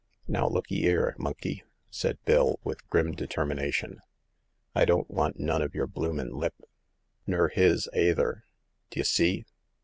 " Now, look 'ee 'ere. Monkey," said Bill, with grim deliberation, *' I don't want none of yer bloomin' Hp, ner his eiather ! D' y' see